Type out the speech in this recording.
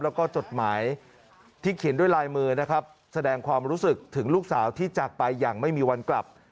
แล้วก็จดหมายที่เขียนด้วยลายมือนะครับแสดงความรู้สึกถึงลูกสาวที่จากไปอย่างไม่มีวันกลับ